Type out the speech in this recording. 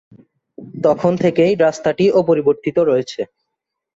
তখন থেকেই রাস্তাটি অপরিবর্তিত রয়েছে।